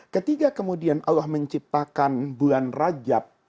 ketika kemudian allah menciptakan bulan rajab